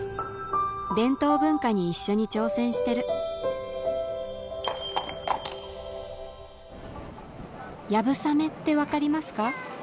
伝統文化に一緒に挑戦してる流鏑馬って分かりますか？